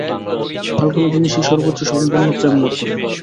কালক্রমে তিনি সেই সর্বোচ্চ ও সম্পূর্ণ প্রেম লাভ করেন।